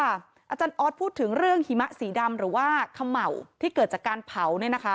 อาจารย์ออสพูดถึงเรื่องหิมะสีดำหรือว่าเขม่าที่เกิดจากการเผา